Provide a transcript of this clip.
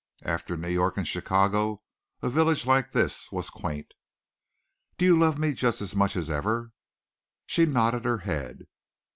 After New York and Chicago, a village like this was quaint. "Do you love me just as much as ever?" She nodded her head.